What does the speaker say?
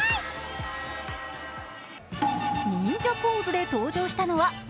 忍者ポーズで登場したのはＵ２０